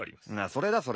それだそれ。